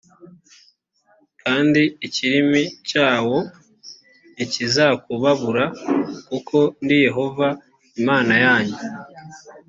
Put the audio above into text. kandi ikirimi cyawo ntikizakubabura kuko ndi yehova imana yanyu